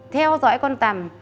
theo dõi con tầm